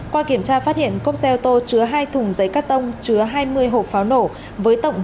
qua kiểm tra phát hiện cốc xe ô tô chứa hai thùng giấy cắt tông chứa hai mươi hộp pháo nổ với tổng